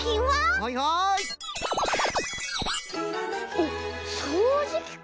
おっそうじきか。